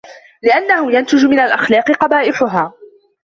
لِأَنَّهُ يُنْتِجُ مِنْ الْأَخْلَاقِ قَبَائِحَهَا